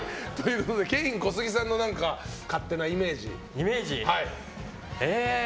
ケイン・コスギさんの勝手なイメージを。